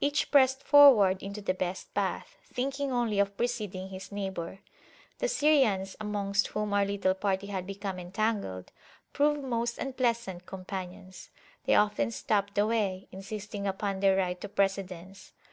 Each pressed forward into the best path, thinking only of preceding his neighbour. The Syrians, amongst whom our little party had become entangled, proved most unpleasant companions: they often stopped the way, insisting upon their right to precedence.